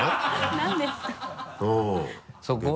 何ですか？